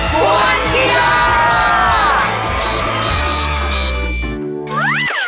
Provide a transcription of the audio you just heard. หวัดกีฬา